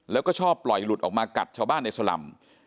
แล้วก็ชอบปล่อยหลุดออกมากัดชาวบ้านในสลำ